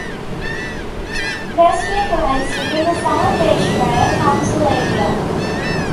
Prestwick lies within the South Ayrshire Council area.